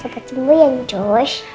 cepet sembuh ya outsusi